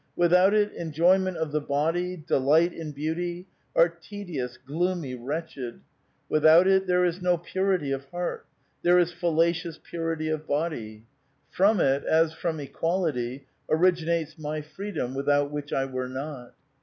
"^ Without it enjoyment of the body, delight in beauty, are tedious, gloomy, wretched", without it there is no purity of heart ; there is fallacious pur ity of bod}'. From it, as from equality, originates m^' free dom, without which I were not.